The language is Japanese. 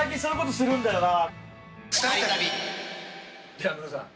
ではムロさん